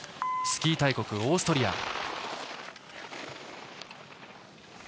スキー大国オーストリア。